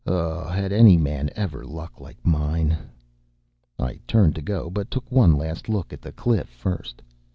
Oh, had any man ever luck like mine!” I turned to go, but took one last look at the cliff first.